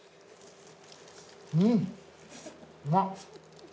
うんうま。